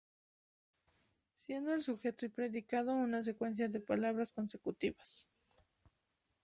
Siendo el sujeto y predicado una secuencia de palabras consecutivas.